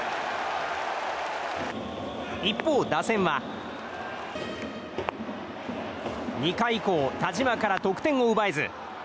一方、打線は２回以降田嶋から得点を奪えず。